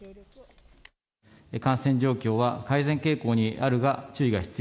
感染状況は改善傾向にあるが、注意が必要。